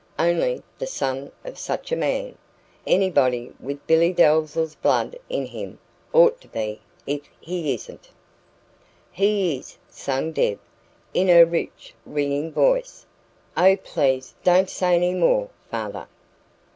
Only, the son of such a man anybody with Billy Dalzell's blood in him ought to be if he isn't " "He is!" sang Deb, in her rich, ringing voice. "Oh, please, don't say any more, father!"